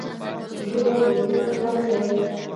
ژبه د ولس ږغ دی.